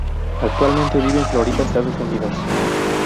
Actualmente vive en Florida, Estados Unidos.